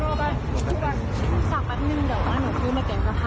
เร็วทำรู้เรื่องไหมทำรู้เรื่องไหม